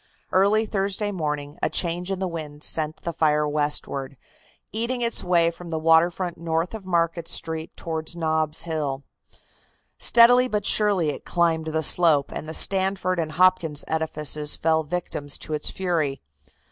Early Thursday morning a change in the wind sent the fire westward, eating its way from the water front north of Market Street toward Nob's Hill. Steadily but surely it climbed the slope, and the Stanford and Hopkins edifices fell victims to its fury.